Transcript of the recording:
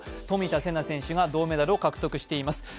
冨田せな選手が銅メダルを獲得しています。